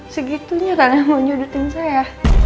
segitunya kalian mau nyudutin saya